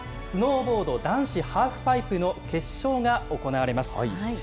スノーボード男子ハーフパイプの決勝が行われます。